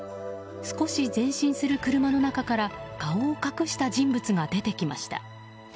少し前進する車の中から顔を隠した人物が出てきました。